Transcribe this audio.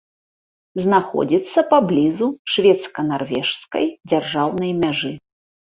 Знаходзіцца паблізу шведска-нарвежскай дзяржаўнай мяжы.